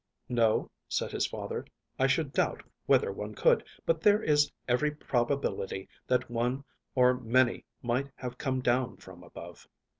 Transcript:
"No," said his father, "I should doubt whether one could; but there is every probability that one or many might have come down from above."